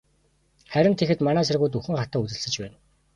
Харин тэгэхэд манай цэргүүд үхэн хатан үзэлцэж байна.